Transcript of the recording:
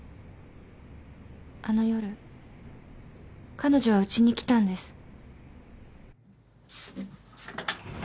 あの夜彼女はうちに来たんです。